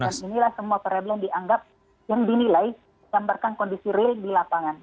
dan inilah semua kerebelan yang dinilai yang diambarkan kondisi real di lapangan